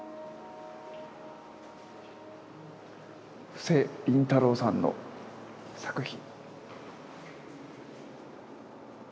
布施琳太郎さんの作品。